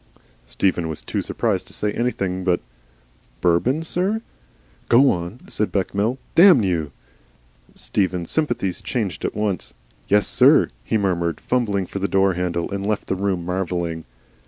Stephen was too surprised to say anything but "Bourbon, sir?" "Go on," said Bechamel. "Damn you!" Stephen's sympathies changed at once. "Yessir," he murmured, fumbling for the door handle, and left the room, marvelling.